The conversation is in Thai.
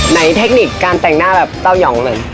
ไหนเทคนิคการแต่งหน้าแบบเต้าหย่องนึง